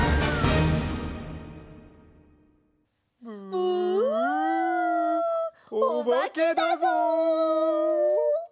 ブーおばけだぞ。